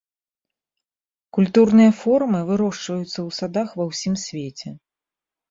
Культурныя формы вырошчваецца ў садах ва ўсім свеце.